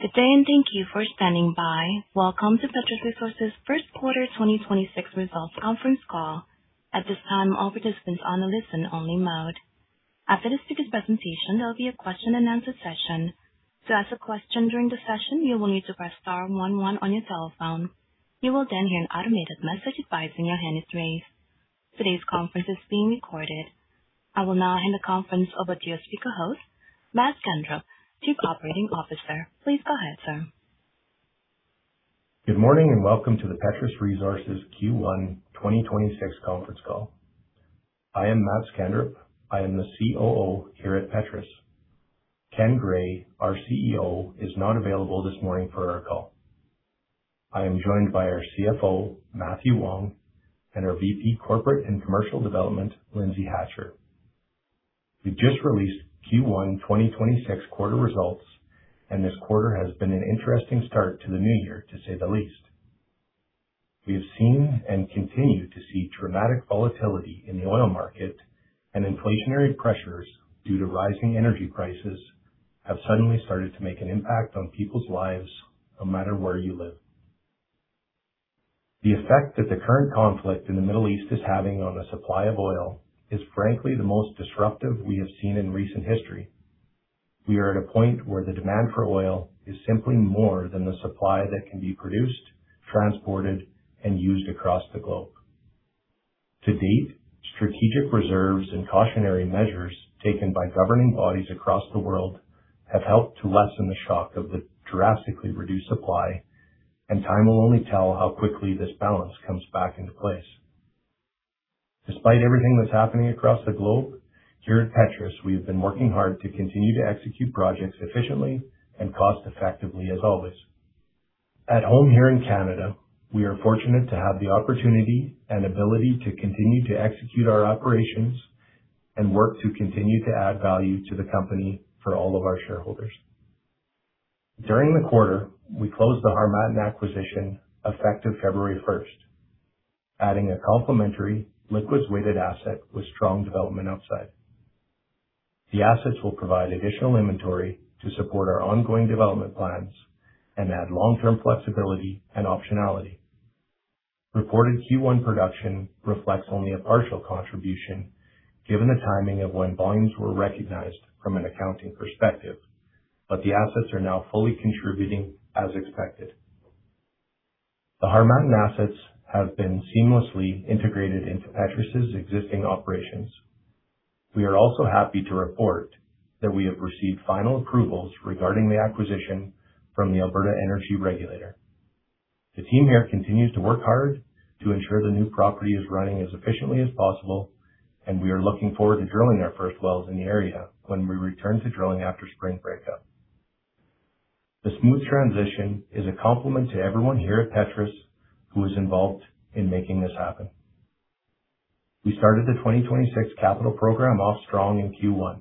Good day, and thank you for standing by. Welcome to Petrus Resources' first quarter 2026 results conference call. At this time, all participants on a listen only mode. After the speaker's presentation, there'll be a question-and-answer session. To ask a question during the session, you will need to press star one, one on your telephone. You will then hear an automated message advising your hand is raised. Today's conference is being recorded. I will now hand the conference over to your speaker host, Matt Skanderup, Chief Operating Officer. Please go ahead, sir. Good morning, and welcome to the Petrus Resources Q1 2026 conference call. I am Matt Skanderup. I am the COO here at Petrus. Ken Gray, our CEO, is not available this morning for our call. I am joined by our CFO, Mathew Wong, and our VP Corporate and Commercial Development, Lindsay Hatcher. We just released Q1 2026 quarter results. This quarter has been an interesting start to the new year, to say the least. We have seen and continue to see dramatic volatility in the oil market and inflationary pressures due to rising energy prices have suddenly started to make an impact on people's lives no matter where you live. The effect that the current conflict in the Middle East is having on the supply of oil is frankly the most disruptive we have seen in recent history. We are at a point where the demand for oil is simply more than the supply that can be produced, transported, and used across the globe. To date, strategic reserves and cautionary measures taken by governing bodies across the world have helped to lessen the shock of the drastically reduced supply, and time will only tell how quickly this balance comes back into place. Despite everything that's happening across the globe, here at Petrus, we have been working hard to continue to execute projects efficiently and cost effectively as always. At home here in Canada, we are fortunate to have the opportunity and ability to continue to execute our operations and work to continue to add value to the company for all of our shareholders. During the quarter, we closed the Harmattan acquisition effective February 1st, adding a complementary liquids-weighted asset with strong development upside. The assets will provide additional inventory to support our ongoing development plans and add long-term flexibility and optionality. Reported Q1 production reflects only a partial contribution given the timing of when volumes were recognized from an accounting perspective, but the assets are now fully contributing as expected. The Harmattan assets have been seamlessly integrated into Petrus' existing operations. We are also happy to report that we have received final approvals regarding the acquisition from the Alberta Energy Regulator. The team here continues to work hard to ensure the new property is running as efficiently as possible, and we are looking forward to drilling our first wells in the area when we return to drilling after spring breakup. The smooth transition is a compliment to everyone here at Petrus who is involved in making this happen. We started the 2026 capital program off strong in Q1,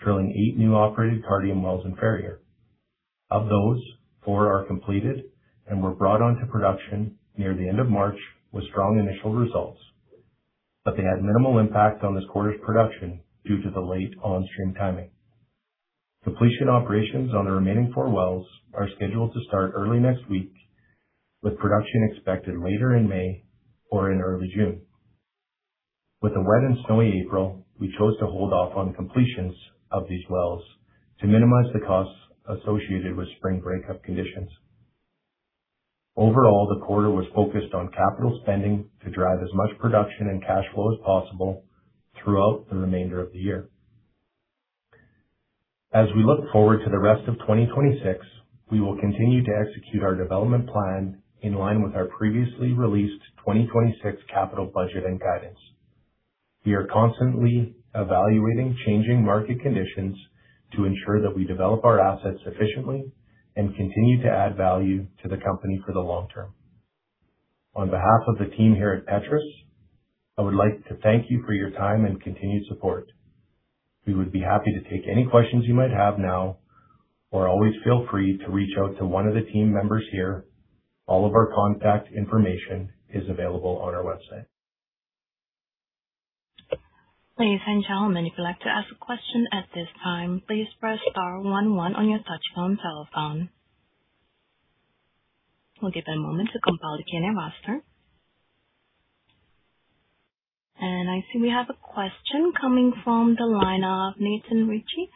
drilling eight new operated Cardium wells in Ferrier. Of those, four are completed and were brought onto production near the end of March with strong initial results. They had minimal impact on this quarter's production due to the late onstream timing. Completion operations on the remaining four wells are scheduled to start early next week, with production expected later in May or in early June. With a wet and snowy April, we chose to hold off on completions of these wells to minimize the costs associated with spring breakup conditions. Overall, the quarter was focused on capital spending to drive as much production and cash flow as possible throughout the remainder of the year. As we look forward to the rest of 2026, we will continue to execute our development plan in line with our previously released 2026 capital budget and guidance. We are constantly evaluating changing market conditions to ensure that we develop our assets efficiently and continue to add value to the company for the long term. On behalf of the team here at Petrus, I would like to thank you for your time and continued support. We would be happy to take any questions you might have now or always feel free to reach out to one of the team members here. All of our contact information is available on our website. Ladies and gentlemen, if you'd like to ask a question at this time, please press star one, one on your touchtone telephone. We'll give a moment to compile the Q&A roster. I see we have a question coming from the line of Nathan Ritchie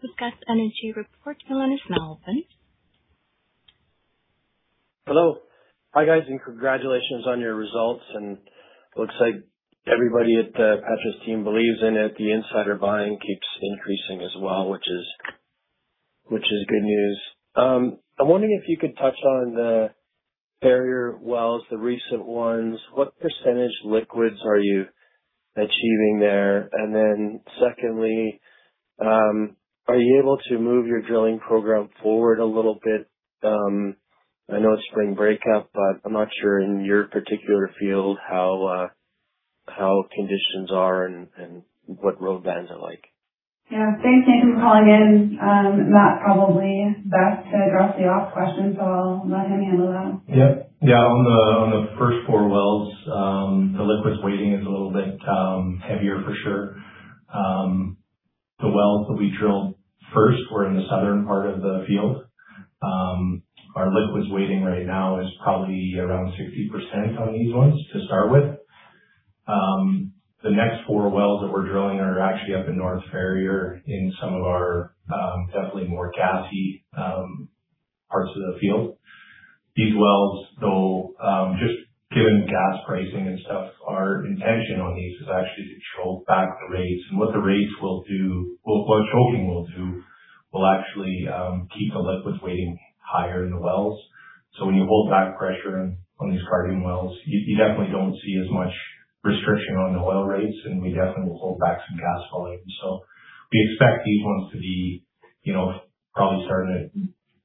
with Schachter Energy Report. Your line is now open. Hello. Hi, guys, congratulations on your results. Looks like everybody at the Petrus team believes in it. The insider buying keeps increasing as well, which is good news. I'm wondering if you could touch on the Ferrier wells, the recent ones. What percentage liquids are you achieving there? Secondly, are you able to move your drilling program forward a little bit? I know it's spring breakup, but I'm not sure in your particular field how conditions are and what road bands are like. Yeah. Thanks, Nathan for calling in. Matt, probably best to address the ops question, so I'll let him handle that. Yep. Yeah. On the, on the first four wells, the liquids weighting is a little bit heavier for sure. The wells that we drilled first were in the southern part of the field. Our liquids weighting right now is probably around 60% on these ones to start with. The next four wells that we're drilling are actually up in North Ferrier in some of our, definitely more gassy, parts of the field. These wells, though, just given gas pricing and stuff, our intention on these is actually to choke back the rates. What choking will do will actually keep the liquids weighting higher in the wells. When you hold back pressure on these Cardium wells, you definitely don't see as much restriction on the oil rates, and we definitely will hold back some gas volume. We expect these ones to be, you know, probably starting at,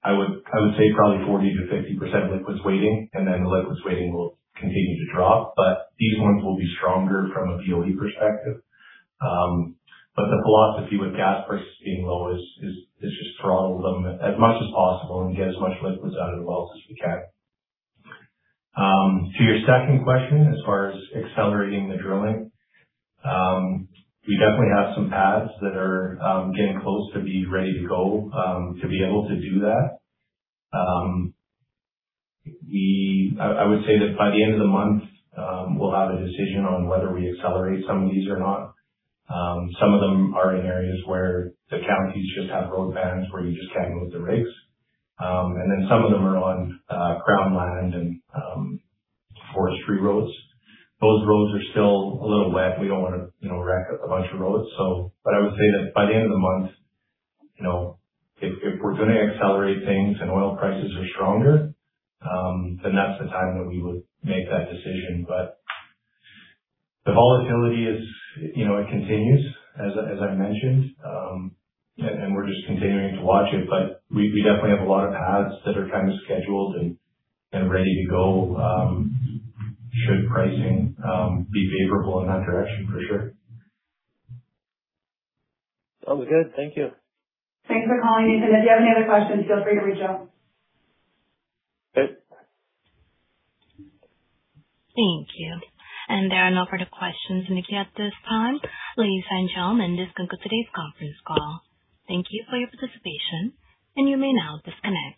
I would say probably 40%-50% liquids weighting, and then the liquids weighting will continue to drop. These ones will be stronger from a BOE perspective. The philosophy with gas prices being lower is just throttle them as much as possible and get as much liquids out of the wells as we can. To your second question, as far as accelerating the drilling, we definitely have some pads that are getting close to be ready to go to be able to do that. I would say that by the end of the month, we'll have a decision on whether we accelerate some of these or not. Some of them are in areas where the counties just have road bans, where you just can't move the rigs. Some of them are on Crown land and forestry roads. Those roads are still a little wet. We don't wanna, you know, rack up a bunch of roads. I would say that by the end of the month, you know, if we're gonna accelerate things and oil prices are stronger, that's the time that we would make that decision. The volatility is, you know, it continues, as I mentioned. We're just continuing to watch it. We definitely have a lot of pads that are kind of scheduled and ready to go, should pricing be favorable in that direction, for sure. Sounds good. Thank you. Thanks for calling Nathan. If you have any other questions, feel free to reach out. Okay. Thank you. There are no further questions, Nikki, at this time. Ladies and gentlemen, this concludes today's conference call. Thank you for your participation, and you may now disconnect.